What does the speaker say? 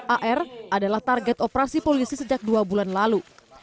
ar adalah target operasi polisi sejak dua bulan lalu